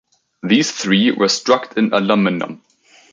These three were struck in aluminum.